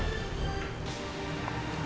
di rumah ini